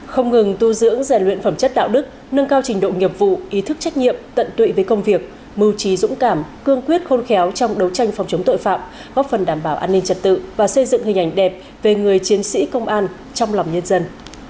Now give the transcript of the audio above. không ngừng tu dưỡng rèn luyện phẩm chất đạo đức nâng cao trình độ nghiệp vụ ý thức trách nhiệm tận tụy với công việc mưu trí dũng cảm cương quyết khôn khéo trong đấu tranh phòng chống tội phạm góp phần đảm bảo an ninh trật tự và xây dựng hình ảnh đẹp về người chiến sĩ công an trong lòng nhân dân